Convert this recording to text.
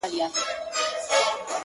• ما په لفظو کي بند پر بند ونغاړه ـ